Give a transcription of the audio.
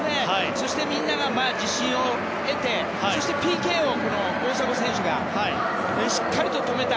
そして、みんなが自信を得てそしてＰＫを大迫選手がしっかりと止めた。